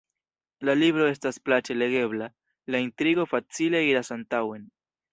La libro estas plaĉe legebla, la intrigo facile iras antaŭen...